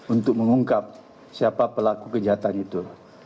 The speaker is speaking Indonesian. untuk mengungkap siapa pelaku kejahatan itu